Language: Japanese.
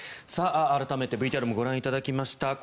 改めてＶＴＲもご覧いただきました